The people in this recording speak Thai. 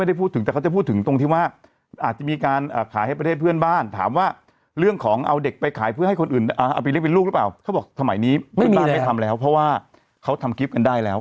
ไม่ได้ทำแล้วเพราะว่าเขาทำกิฟต์กันได้แล้ว